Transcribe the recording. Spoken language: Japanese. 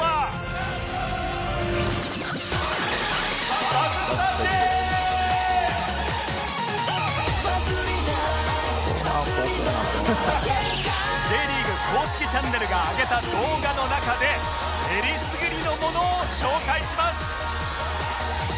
そこでＪ リーグ公式チャンネルが上げた動画の中でえりすぐりのものを紹介します